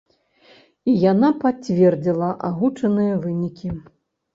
І яна пацвердзіла агучаныя вынікі.